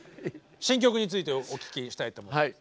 新曲についてお聞きしたいと思います。